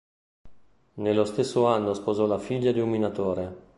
Nello stesso anno sposò la figlia di un minatore.